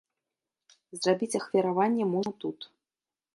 Зрабіць ахвяраванне можна тут.